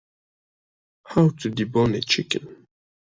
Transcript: How to debone a chicken.